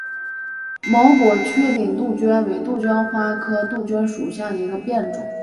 毛果缺顶杜鹃为杜鹃花科杜鹃属下的一个变种。